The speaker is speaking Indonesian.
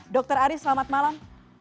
dr ari selamat malam